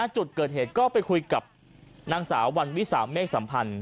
จุดเกิดเหตุก็ไปคุยกับนางสาววันวิสาเมฆสัมพันธ์